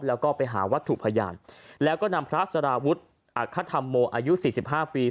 แล้วก็ไปหาวัตถุพยานแล้วก็นำพระสารวุฒิอัคธรรมโมอายุ๔๕ปี